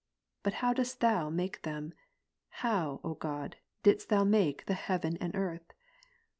But how dost Thou make them ? how, O God, didst Thou make heaven and earth